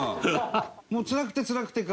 もうつらくてつらくてか？